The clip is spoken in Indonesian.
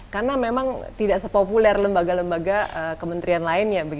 karena memang tidak sepopuler lembaga lembaga kementerian lainnya